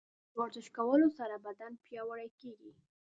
د ورزش کولو سره بدن پیاوړی کیږي.